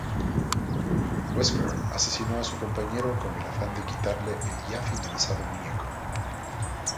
Wesker asesinó a su compañero con el afán de quitarle el ya finalizado muñeco.